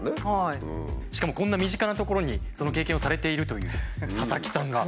しかもこんな身近なところにその経験をされているという佐々木さんが。